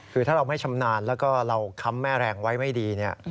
คือถ้าเราไม่ชำนาญแล้วก็เราค้ำแม่แรงไว้ไม่ดี